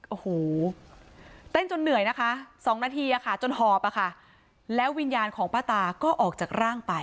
โอ้โหเต้นจนเหนื่อยนะคะ๒นาทีจนหอบอะค่ะแล้ววิญญาณของป้าตาก็ออกจากร่างไป